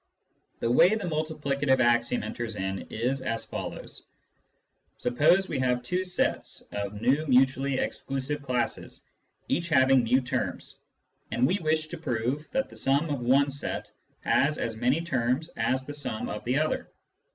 The way the multiplicative axiom enters in is as follows : Suppose we have two sets of v mutually exclusive classes, each having ju, terms, and we wish to prove that the sum of one set has as many terms as the sum of the other.